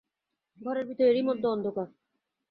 ঘরের ভিতর এরই মধ্যে অন্ধকার!